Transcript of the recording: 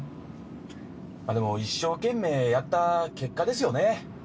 でも一生懸命やった結果ですよね。